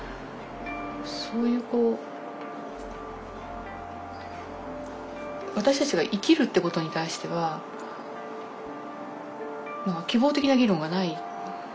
そういうこう私たちが生きるってことに対しては希望的な議論がない。